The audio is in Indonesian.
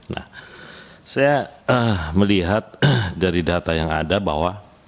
nah saya melihat dari data yang ada bahwa